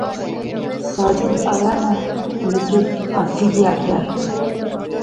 ساجد آیا ناں، نصرت ہنسی جے آخیا